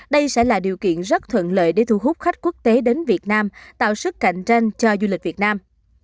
đây sẽ là điều kiện rất thuận lợi để thu hút khách quốc tế đến việt nam tạo sức cạnh tranh cho du lịch việt nam